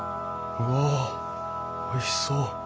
うわおいしそう。